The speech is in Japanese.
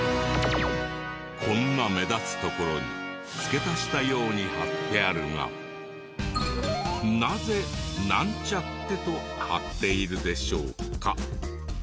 こんな目立つ所に付け足したように貼ってあるがなぜ「ナンチャッテ」と貼っているでしょうか？